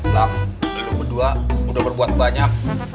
lam lo berdua udah berbuat banyak